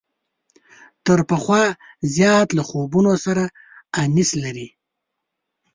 تر پخوا زیات له خوبونو سره انس لري.